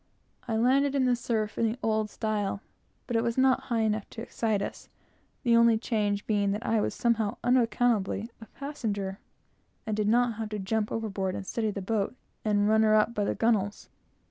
I landed in the surf, in the old style, but it was not high enough to excite us, the only change being that I was somehow unaccountably a passenger, and did not have to jump overboard and steady the boat, and run her up by the gunwales.